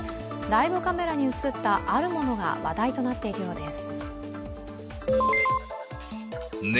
ライブカメラに映ったあるものが話題になっているようです。